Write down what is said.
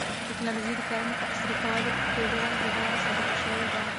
تکنالوژي د کرنې په عصري کولو کې ډېره ګټوره ثابته شوې ده.